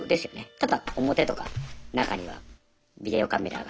ただ表とか中にはビデオカメラが。